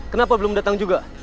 kenapa belum datang juga